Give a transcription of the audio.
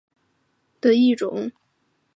是帘蛤目鸟尾蛤科棘刺鸟蛤属的一种。